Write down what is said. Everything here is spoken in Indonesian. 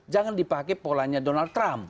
jangan dipakai polanya donald trump